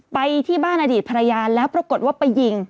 ไปที่บ้านอดีตภรรยาแล้วปรากฏว่าไปยิง